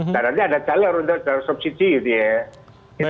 dan nanti ada jalur untuk subsidis gitu ya